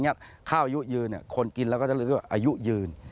ข้าวอายุยืนคนกินแล้วก็จะรู้ว่าอายุยืน